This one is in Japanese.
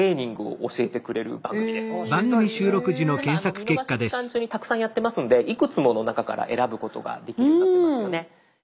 見逃し期間中にたくさんやってますんでいくつもの中から選ぶことができるようになってますよね。